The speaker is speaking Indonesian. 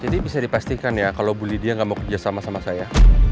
jadi bisa dipastikan ya kalau bully dia gak mau kerja sama sama saya